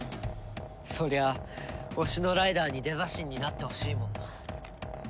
そりゃあ推しのライダーにデザ神になってほしいもんな。